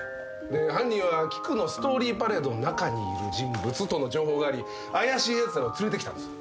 犯人はキクノ・ストーリー・パレードの中にいる人物との情報があり怪しいやつらを連れてきたんです。